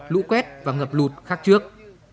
lũ quét và ngập lụt khác trước